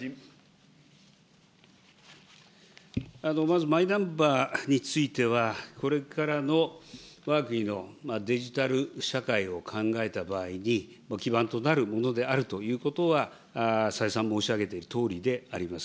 まずマイナンバーについては、これからのわが国のデジタル社会を考えた場合に、基盤となるものであるということは、再三申し上げているとおりであります。